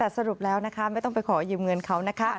สรุปแล้วนะคะไม่ต้องไปขอยืมเงินเขานะคะ